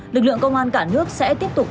lực lượng công an cả nước sẽ tiếp tục